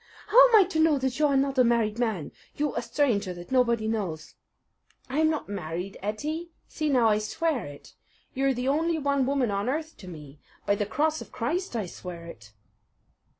How am I to know that you are not a married man you, a stranger, that nobody knows?" "I am not married, Ettie. See now, I swear it! You're the only one woman on earth to me. By the cross of Christ I swear it!"